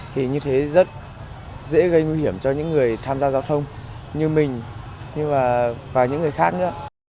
thì như thế rất dễ gây nguy hiểm cho những người tham gia giao thông như mình nhưng mà những người khác nữa